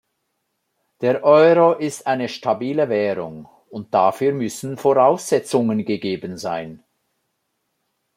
Der Euro ist eine stabile Währung, und dafür müssen Voraussetzungen gegeben sein.